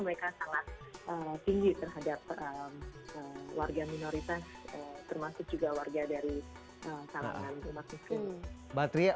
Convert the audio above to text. mereka sangat tinggi terhadap warga minoritas termasuk juga warga dari salah umat muslim